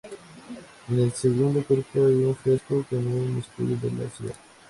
En el segundo cuerpo hay un fresco con un escudo de la ciudad.